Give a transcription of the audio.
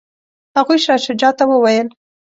هغوی شاه شجاع ته وویل.